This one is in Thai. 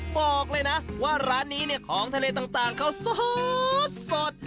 บอกเลยนะว่าร้านนี้เนี่ยของทะเลต่างเขาสด